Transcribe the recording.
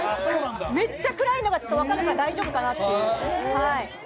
めっちゃ暗いのが分かれば大丈夫かなっていう。